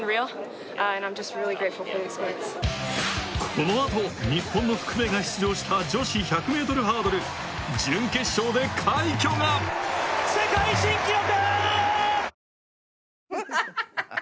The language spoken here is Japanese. このあと日本の福部が出場した女子１００ｍハードル準決勝で快挙が世界新記録！